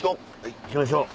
行きましょう。